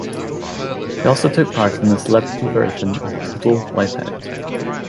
She also took part in a celebrity version of "Total Wipeout".